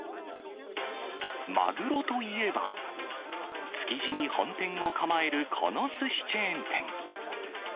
マグロといえば、築地に本店を構えるこのすしチェーン店。